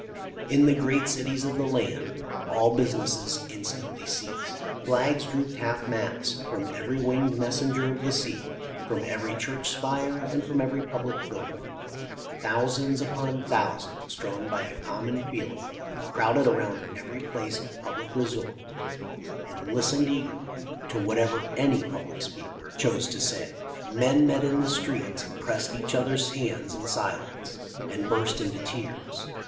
In the great cities of the land all busi ness instantly ceased. Flags drooped half mast from every winged messenger of the sea, from every church spire, and from every public building. Thousands upon thousands, drawn by a common feeling, crowded around every place of public resort and listened eagerly to whatever any public speaker 57° THE LIFE OF LINCOLN. chose to say. Men met in the streets and pressed each other's hands in silence, and burst into tears.